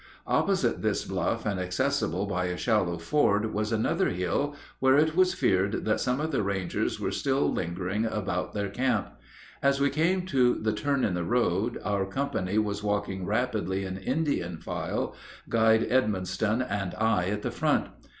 Opposite this bluff and accessible by a shallow ford was another hill, where it was feared that some of the Rangers were still lingering about their camp. As we came to the turn in the road our company was walking rapidly in Indian file, guide Edmonston and I at the front.